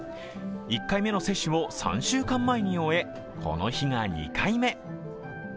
１回目の接種を３週間前に終えこの日が２回目。